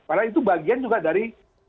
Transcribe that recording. padahal itu bagian juga dari